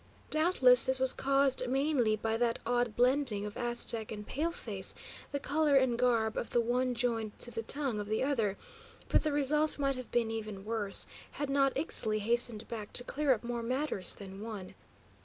Doubtless this was caused mainly by that odd blending of Aztec and paleface, the colour and garb of the one joined to the tongue of the other; but the result might have been even worse, had not Ixtli hastened back to clear up more matters than one.